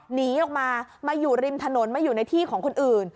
หนีออกมามาอยู่ริมถนนมาอยู่ในที่ของคนอื่น